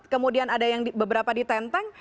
kemudian ada yang beberapa ditenteng